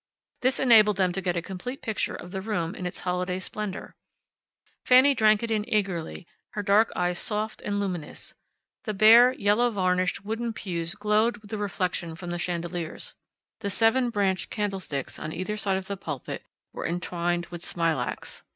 This enabled them to get a complete picture of the room in its holiday splendor. Fanny drank it in eagerly, her dark eyes soft and luminous. The bare, yellow varnished wooden pews glowed with the reflection from the chandeliers. The seven branched candlesticks on either side of the pulpit were entwined with smilax.